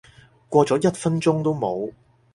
過咗一分鐘都冇